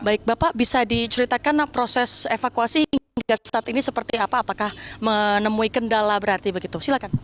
baik bapak bisa diceritakan proses evakuasi hingga saat ini seperti apa apakah menemui kendala berarti begitu silakan